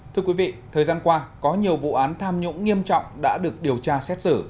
thưa quý vị thời gian qua có nhiều vụ án tham nhũng nghiêm trọng đã được điều tra xét xử